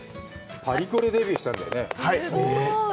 パリコレデビューしたんだよね？